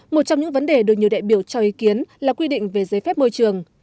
một trong những vấn đề được nhiều đại biểu cho ý kiến là quy định về giấy phép môi trường